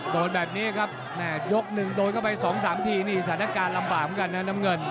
โดนแบบนี้ครับแม่ยกหนึ่งโดนเข้าไป๒๓ทีนี่สถานการณ์ลำบากเหมือนกันนะน้ำเงิน